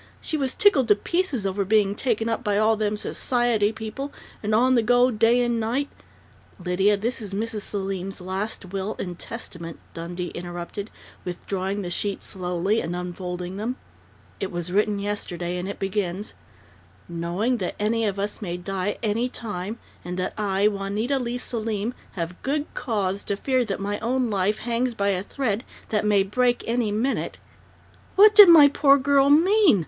She was tickled to pieces over being taken up by all them society people, and on the go day and night " "Lydia, this is Mrs. Selim's last will and testament," Dundee interrupted, withdrawing the sheets slowly and unfolding them. "It was written yesterday, and it begins: "'Knowing that any of us may die any time, and that I, Juanita Leigh Selim, have good cause to fear that my own life hangs by a thread that may break any minute '" "What did my poor girl mean?"